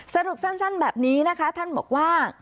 สรุปสั้นแบบนี้นะคะท่านบอกว่า